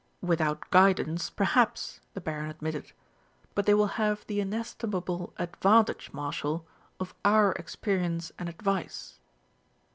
"Without guidance, perhaps," the Baron admitted; "but they will have the inestimable advantage, Marshal, of our experience and advice."